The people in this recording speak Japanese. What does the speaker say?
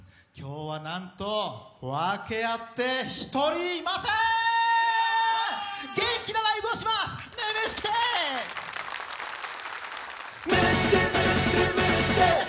今日はなんと、訳あって、１人いません！